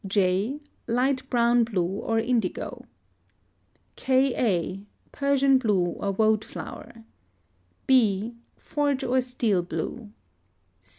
J. Light brown blue or indigo. K. a. Persian blue or woad flower. b. Forge or steel blue.